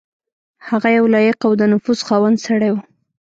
هغه یو لایق او د نفوذ خاوند سړی وو.